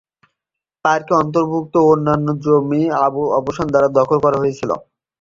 পার্কে অন্তর্ভুক্ত অন্যান্য জমি আবাসন দ্বারা দখল করা হয়েছিল।